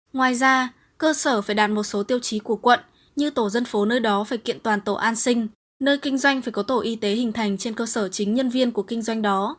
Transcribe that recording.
ngoài ra cơ sở phải đạt một số tiêu chí của quận như tổ dân phố nơi đó phải kiện toàn tổ an sinh nơi kinh doanh phải có tổ y tế hình thành trên cơ sở chính nhân viên của kinh doanh đó